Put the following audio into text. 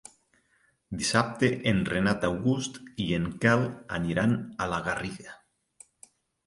Dissabte en Renat August i en Quel aniran a la Garriga.